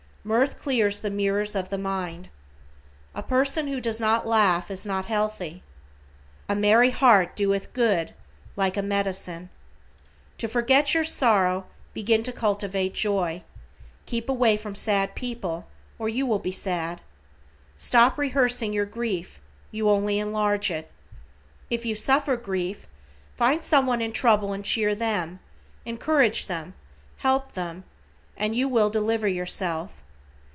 Mirth clears the mirrors of the mind. A person who does not laugh is not healthy. "A merry heart doeth good, like a medicine." To forget your sorrow begin to cultivate joy. Keep away from sad people, or you will be sad. Stop rehearsing your grief, you only enlarge it. If you suffer grief, find someone in trouble and cheer them, encourage them, help them, and you will deliver yourself.